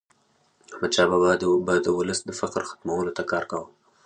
احمدشاه بابا به د ولس د فقر ختمولو ته کار کاوه.